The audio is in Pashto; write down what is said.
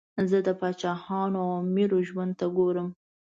زه د پاچاهانو او امیرو ژوند ته ګورم.